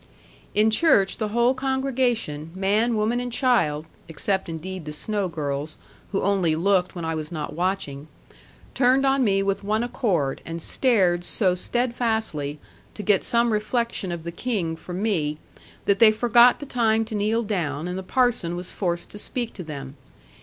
In church, the whole congregation, man, woman, and child (except, indeed, the Snowe girls, who only looked when I was not watching), turned on me with one accord, and stared so steadfastly, to get some reflection of the King from me, that they forgot the time to kneel down and the parson was forced to speak to them.